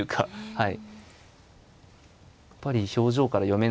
はい。